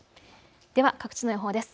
では各地の予報です。